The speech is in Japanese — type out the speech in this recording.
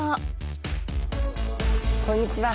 こんにちは。